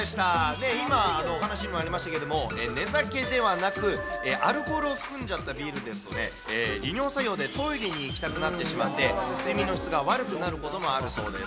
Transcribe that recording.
で今、お話にもありましたけど、寝酒ではなく、アルコールを含んじゃったビールですとね、利尿作用でトイレに行きたくなってしまって、睡眠の質が悪くなることもあるそうです。